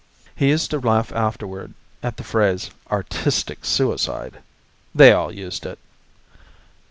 He used to laugh afterward at the phrase "artistic suicide." They all used it.